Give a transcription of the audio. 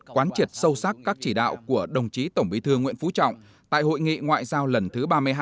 quán triệt sâu sắc các chỉ đạo của đồng chí tổng bí thư nguyễn phú trọng tại hội nghị ngoại giao lần thứ ba mươi hai